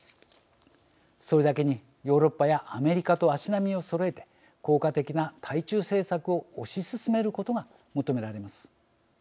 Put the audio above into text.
それだけにヨーロッパやアメリカと足並みをそろえて効果的な対中政策を推し進めることが求められます。